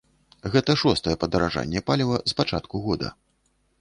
Гэта шостае падаражанне паліва з пачатку года.